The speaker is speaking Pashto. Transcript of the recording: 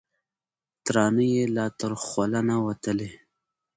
ترانه یې لا تر خوله نه وه وتلې